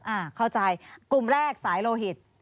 อ่าเข้าใจกลุ่มแรกสายโลหิต